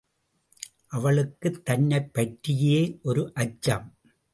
அவளுக்குத் தன்னைப் பற்றியே ஒரு அச்சம்.